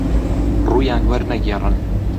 ڕوویان وەرنەگێڕن